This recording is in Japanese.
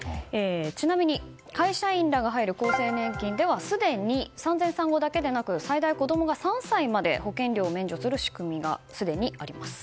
ちなみに会社員らが入る厚生年金ではすでに産前産後だけでなく最大３歳まで保険料を免除する仕組みがすでにあります。